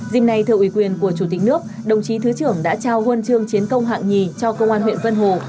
dìm nay thờ ủy quyền của chủ tịch nước đồng chí thứ trưởng đã trao huân chương chiến công hạng nhì cho công an huyện vân hồ